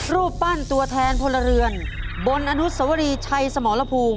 รูปปั้นตัวแทนพลเรือนบนอนุสวรีชัยสมรภูมิ